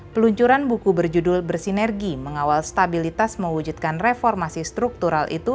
peluncuran buku berjudul bersinergi mengawal stabilitas mewujudkan reformasi struktural itu